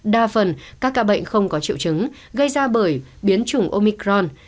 đa phần các ca bệnh không có triệu chứng gây ra bởi biến chủng omicron